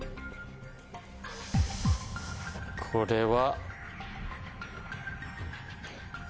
これは。